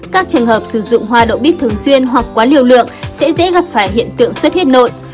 các trường hợp sử dụng hoa đậu bít thường xuyên hoặc quá liều lượng sẽ dễ gặp phải hiện tượng xuất huyết nội